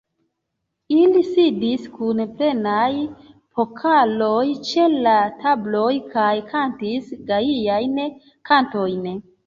Ili sidis kun plenaj pokaloj ĉe la tabloj kaj kantis gajajn kantojn.